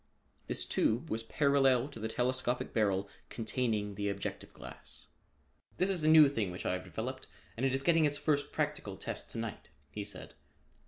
This tube was parallel to the telescopic barrel containing the objective lens. "This is a new thing which I have developed and it is getting its first practical test to night," he said.